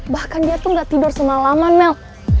bahkan dia tuh gak tidur semalaman melk